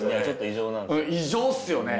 ちょっと異常なんすよ。